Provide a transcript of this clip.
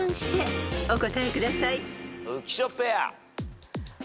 浮所ペア。